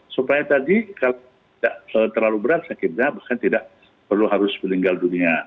supaya tadi kalau tidak terlalu berat sakitnya bahkan tidak perlu harus meninggal dunia